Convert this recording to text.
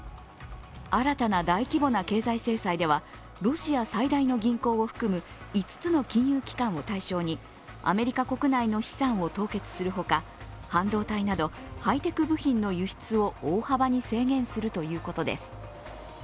新たな大規模な経済制裁ではロシア最大の銀行を含む５つの金融機関を対象にアメリカ国内の資産を凍結するほか、半導体などハイテク部品の輸出を大幅に制限するということです。